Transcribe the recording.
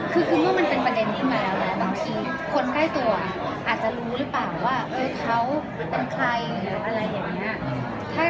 คือคือเมื่อมันเป็นประเด็นขึ้นมาแล้วบางทีคนใกล้ตัวอาจจะรู้หรือเปล่าว่าเขาเป็นใครหรืออะไรอย่างนี้